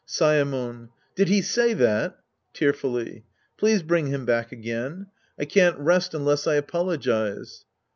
Saemon. Did he say that ? {fearfully!) Please bring him back again. I can't rest unless I apolo gize.